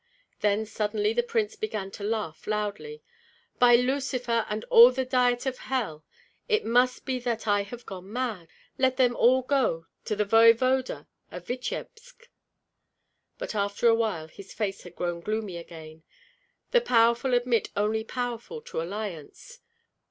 Then suddenly the prince began to laugh loudly. "By Lucifer and all the Diet of hell, it must be that I have gone mad! Let them all go to the voevoda of Vityebsk!" But after a while his face had grown gloomy again: "The powerful admit only powerful to alliance.